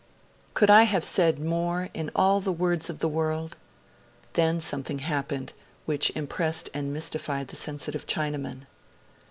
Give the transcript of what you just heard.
Could I have said more in all the words of the world?' Then something happened which impressed and mystified the sensitive Chinaman.